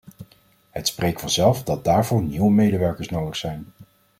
Het spreekt vanzelf dat daarvoor nieuwe medewerkers nodig zijn.